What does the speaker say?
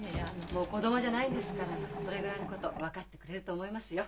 もう子供じゃないんですからそれぐらいのこと分かってくれると思いますよ。